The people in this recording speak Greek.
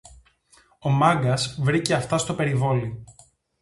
Ο Μάγκας βρήκε αυτά στο περιβόλι